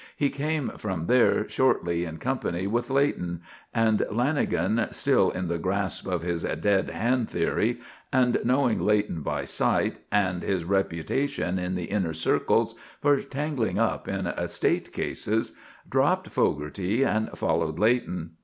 He came from there shortly, in company with Leighton, and Lanagan, still in the grasp of his "dead hand" theory, and knowing Leighton by sight, and his reputation in the inner circles for tangling up in estate cases, dropped Fogarty and followed Leighton.